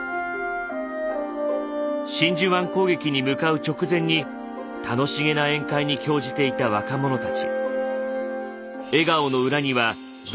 真珠湾攻撃に向かう直前に楽しげな宴会に興じていた若者たち。